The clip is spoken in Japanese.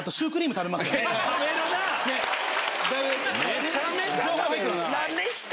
めちゃめちゃ食べるなぁ。